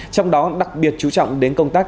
trong đó đặc biệt chú trọng đến công tác